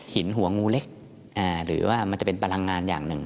หัวงูเล็กหรือว่ามันจะเป็นพลังงานอย่างหนึ่ง